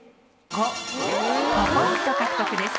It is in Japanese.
５ポイント獲得です。